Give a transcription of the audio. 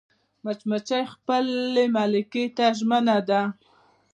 مچمچۍ خپل ملکې ته ژمنه ده